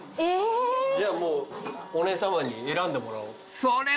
じゃあもうお姉さまに選んでもらおう。